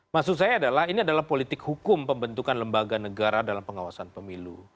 maksud saya adalah ini adalah politik hukum pembentukan lembaga negara dalam pengawasan pemilu